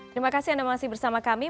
terima kasih anda masih bersama kami